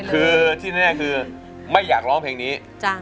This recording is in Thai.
คือที่แน่คือไม่อยากร้องเพลงนี้